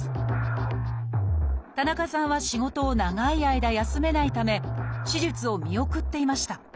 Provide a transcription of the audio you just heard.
田中さんは仕事を長い間休めないため手術を見送っていました。